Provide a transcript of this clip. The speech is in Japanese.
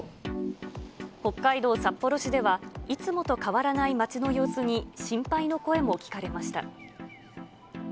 北海道札幌市では、いつもと変わらない街の様子に心配の声も聞かれました。